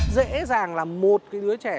dễ dàng là một đứa trẻ